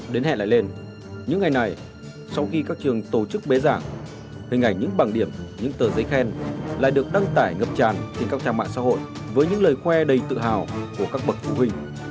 đến hẹn lại lên những ngày này sau khi các trường tổ chức bế giảng hình ảnh những bằng điểm những tờ giấy khen lại được đăng tải ngập tràn trên các trang mạng xã hội với những lời khoe đầy tự hào của các bậc phụ huynh